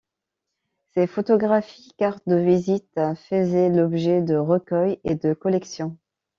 Ces photographies-cartes de visite faisaient l'objet de recueils et de collections.